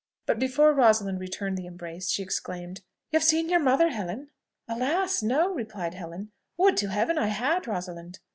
But before Rosalind returned the embrace, she exclaimed, "You have seen your mother, Helen!" "Alas! no!" replied Helen. "Would to Heaven I had, Rosalind!